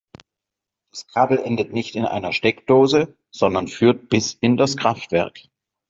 Das Kabel endet nicht in einer Steckdose, sondern führt bis in das Kraftwerk.